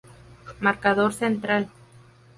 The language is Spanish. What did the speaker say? Marcador Central.